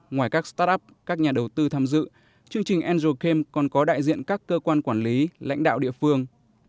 ngoài các start up các nhà đầu tư tham dự chương trình angel camp còn có đại diện các cơ quan quản lý lãnh đạo địa phương